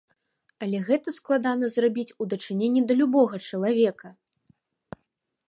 Але гэта складана зрабіць у дачыненні да любога чалавека.